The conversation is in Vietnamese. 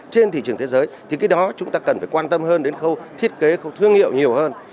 trên thị trường thế giới thì cái đó chúng ta cần phải quan tâm hơn đến khâu thiết kế khâu thương hiệu nhiều hơn